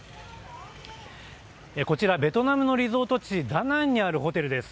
こちら、ベトナムのリゾート地、ダナンにあるホテルです。